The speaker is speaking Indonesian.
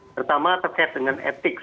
pertama terkait dengan etik